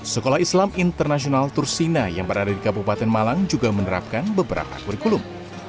sekolah islam internasional tursina yang berada di kabupaten malang juga menerapkan beberapa kurikulum